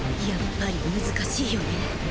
やっぱり難しいよね。